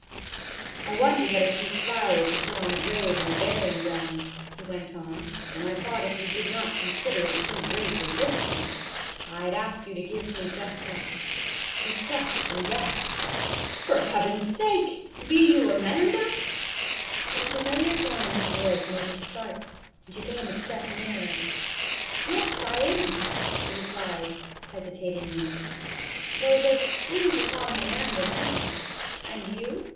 " I wanted to get a few flowers to put on a grave in the buryin' ground," he went on, " and I thought, if you did not consider it too great a liberty, I 'd ask 'FOR HEAVEN'S SAKK, UK YOU AMANDA?'" A SAG OF POP CORN. 175 you to give me just a He stopped and gasped, " For heaven's sake, be you Amanda ?" Some familiar tone in his voice made her start, and she came a step nearer. " Yes, I am," she replied, hesitatingly, " though there 's few to call me Amanda now. And you